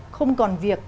không còn việc